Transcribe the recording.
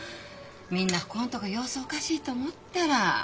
みんなここんとこ様子おかしいと思ったら。